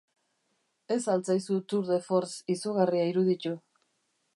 Ez al zaizu tour de force izugarria iruditu?